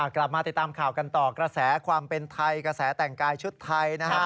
กลับมาติดตามข่าวกันต่อกระแสความเป็นไทยกระแสแต่งกายชุดไทยนะฮะ